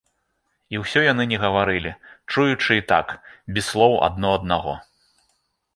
І ўсе яны не гаварылі, чуючы і так, без слоў адно аднаго.